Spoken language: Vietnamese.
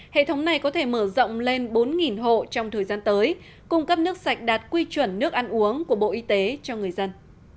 hệ thống này có thể mở rộng lên bốn hộ trong thời gian tới cung cấp nước sạch đạt quy chuẩn nước ăn uống của bộ y tế cho người dân